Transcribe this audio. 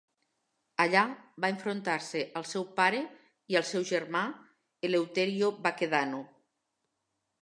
Allà va enfrontar-se al seu pare i al seu germà, Eleuterio Baquedano.